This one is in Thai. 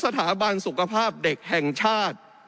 สถาบันสุขภาพเด็กแห่งชาติ